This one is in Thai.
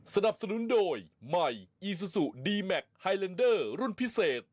สนับสนุนโดยใหม่อีซูซูดีแมคไฮเลนเดอร์รุ่นพิเศษ